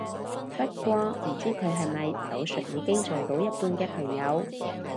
不過唔知佢係咪手術已經做到一半嘅朋友